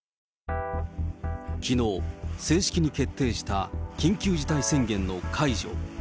きのう、正式に決定した緊急事態宣言の解除。